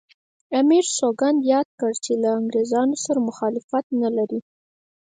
امیر سوګند یاد کړ چې له انګریزانو سره مخالفت نه لري.